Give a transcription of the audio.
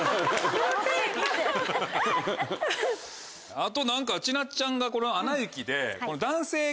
あと何かちなっちゃんがこの。